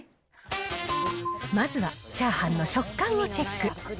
まずはチャーハンの食感をチェック。